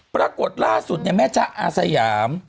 ปรากฏล่าสุดเนี่ยแม่จ๊ะอาสยาม